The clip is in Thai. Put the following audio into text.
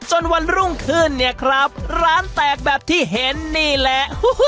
วันรุ่งขึ้นเนี่ยครับร้านแตกแบบที่เห็นนี่แหละ